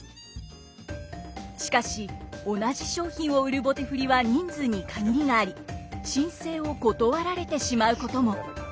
しかし同じ商品を売る棒手振は人数に限りがあり申請を断られてしまうことも。